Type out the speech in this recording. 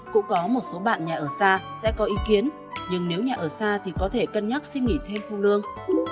cũng có một số bạn nhà ở xa sẽ có ý kiến nhưng nếu nhà ở xa thì có thể cân nhắc xin nghỉ thêm khung lương